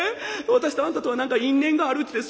私とあんたとは何か因縁があるっちゅうて。